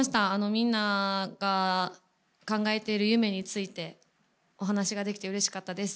みんなが考えてる夢についてお話ができてうれしかったです。